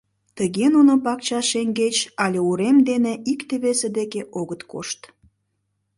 Тыге нуно пакча шеҥгеч але урем дене икте-весе деке огыт кошт.